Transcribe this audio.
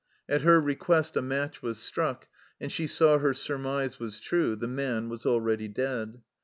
At her request a match was struck, and she saw her surmise was true, the man was already dead.